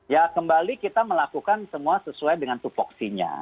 ya kembali kita melakukan semua sesuai dengan tupoksinya